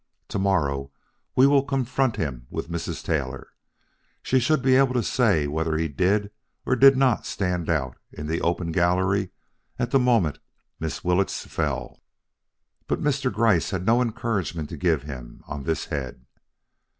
To morrow we will confront him with Mrs. Taylor. She should be able to say whether he did or did not stand out in the open gallery at the moment Miss Willetts fell." But Mr. Gryce had no encouragement to give him on this head.